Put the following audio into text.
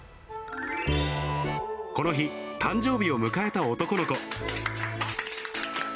この日、誕生日を迎えた男の子。